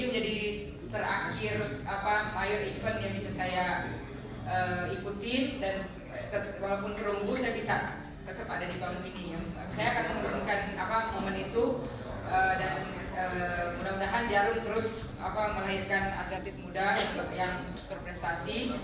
menurunkan momen itu dan mudah mudahan jarum terus menaikkan atletik muda yang berprestasi